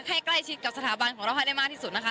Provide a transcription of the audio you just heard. ให้ใกล้ชิดกับสถาบันของเราให้ได้มากที่สุดนะคะ